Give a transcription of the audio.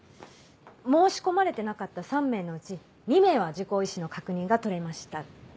申し込まれてなかった３名のうち２名は受講意思の確認が取れましたが。